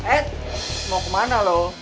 eh mau kemana lo